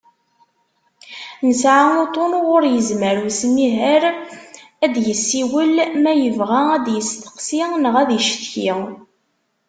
Nesɛa uṭṭun uɣur yezmer umsiher ad d-yessiwel ma yebɣa ad d-yesteqsi neɣ ad icetki.